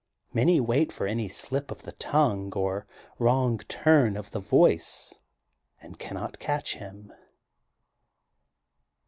Many wait for any sHp of the tongue or wrong turn of the voice and cannot catch him.